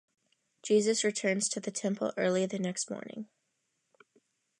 Jesus returns to the Temple early the next morning.